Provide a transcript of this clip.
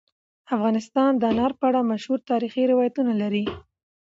افغانستان د انار په اړه مشهور تاریخی روایتونه لري.